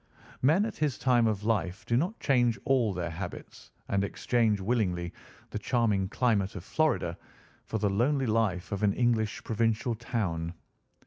Men at his time of life do not change all their habits and exchange willingly the charming climate of Florida for the lonely life of an English provincial town.